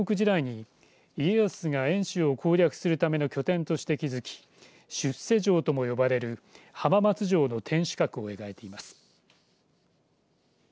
このうち浜松城址という作品は戦国時代に家康が遠州を攻略するための拠点として築き出世城とも呼ばれる浜松城の天守閣を描いています。